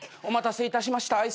お待たせいたしました。